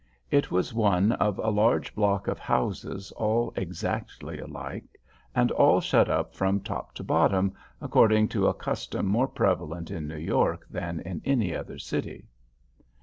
It was one of a large block of houses all exactly alike, and all shut up from top to bottom, according to a custom more prevalent in New York than in any other city.